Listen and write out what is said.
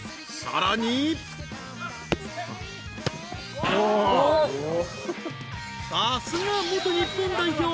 ［さすが元日本代表］